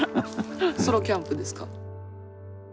ソロキャンプですか。